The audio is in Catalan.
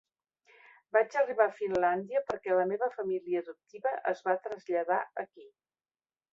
Vaig arribar a Finlàndia perquè la meva família adoptiva es va traslladar aquí.